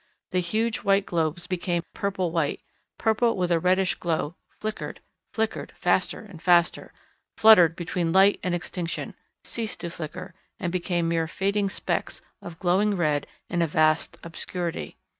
The huge white globes became purple white, purple with a reddish glow, flickered, flickered faster and faster, fluttered between light and extinction, ceased to flicker and became mere fading specks of glowing red in a vast obscurity.